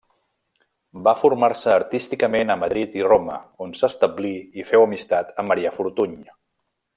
Va formar-se artísticament a Madrid i Roma on s'establí i féu amistat amb Marià Fortuny.